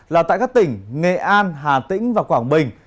là tại các tỉnh nghệ an hà tĩnh và quảng bình